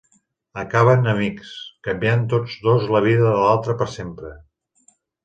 Acaben amics, canviant tots dos la vida de l'altre per sempre.